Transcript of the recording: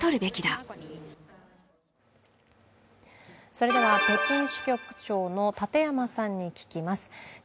それでは、北京支局長の立山さんに聞きます。